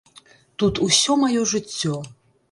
Тут усё маё жыццё.